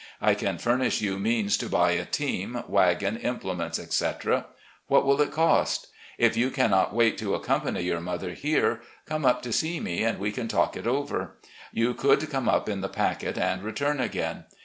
I can furnish you means to buy a team, wagon, implements, etc. What will it cost ? If you cannot wait to accompany your mother here, come up to see me and we can talk it over. You could come up in the packet and return again.